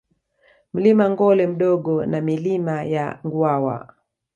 Mlima Ngolwe Mdogo na Milima ya Nguawa